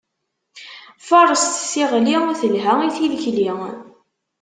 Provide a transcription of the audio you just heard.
Faṛset tiɣli, telha i tilkli.